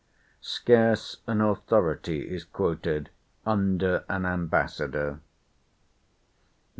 Scarce an authority is quoted under an ambassador.